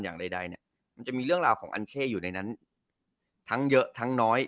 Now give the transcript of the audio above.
อย่างใดเนี่ยมันจะมีเรื่องราวของอัญเช่อยู่ในนั้นทั้งเยอะทั้งน้อย